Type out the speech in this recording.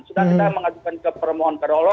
sudah kita mengajukan ke permohonan